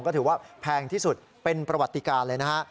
ก็ถือว่าแพงที่สุดเป็นประวัติการเลยนะฮะ